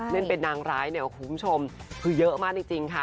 เล่นเป็นนางร้ายเนี่ยคุณผู้ชมคือเยอะมากจริงค่ะ